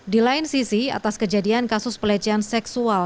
di lain sisi atas kejadian kasus pelecehan seksual